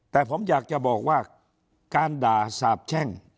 แต่ผมอยากจะบอกว่าการด่าสาบแช่ง